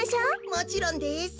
もちろんです。